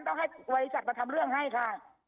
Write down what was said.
ต้องให้บริษัทมาทำเรื่องให้ค่ะ